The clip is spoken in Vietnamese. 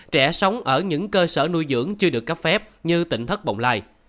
trẻ sống ở những cơ sở nuôi dưỡng chưa được cấp phép như tỉnh thất bồng lai